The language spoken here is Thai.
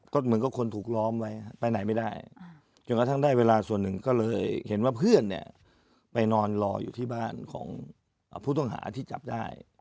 ก็เหมือนกับคนถูกล้อมไว้ไปไหนไม่ได้จนกระทั่งได้เวลาส่วนหนึ่งก็เลยเห็นว่าเพื่อนเนี่ยไปนอนรออยู่ที่บ้านของผู้ต้องหาที่จับได้